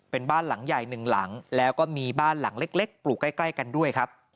เป็นบ้านหลังใหญ่หนึ่งหลังแล้วก็มีบ้านหลังเล็กปลูกใกล้กันด้วยครับ